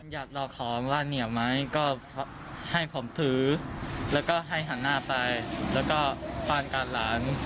อยากลองของว่าเหนียวไหมก็ให้ผมถือแล้วก็ให้หันหน้าไปแล้วก็ฟานการหลาน